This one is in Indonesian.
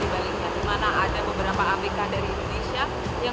kemar juga tolong menemukan uwang